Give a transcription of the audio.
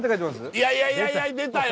いやいやいや出たよ